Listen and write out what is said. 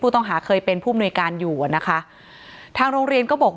ต้องหาเคยเป็นผู้มนุยการอยู่อ่ะนะคะทางโรงเรียนก็บอก